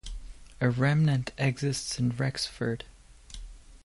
A remnant exists in Rexford.